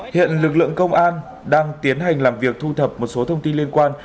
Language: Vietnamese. hiện lực lượng công an đang tiến hành làm việc thu thập một số thông tin liên quan